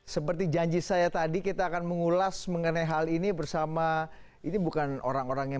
seperti janji saya tadi kita akan mengulas mengenai hal ini bersama ini bukan orang orang yang